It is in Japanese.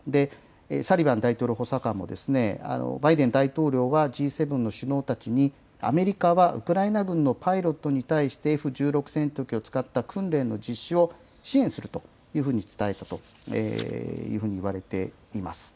サリバン大統領補佐官もバイデン大統領はＧ７の首脳たちに、アメリカはウクライナ軍のパイロットに対してＦ１６戦闘機を使った訓練の実施を支援するというふうに伝えたというふうにいわれています。